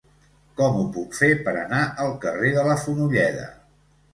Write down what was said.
Com ho puc fer per anar al carrer de la Fonolleda?